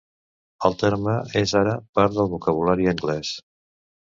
El terme és ara part del vocabulari anglès.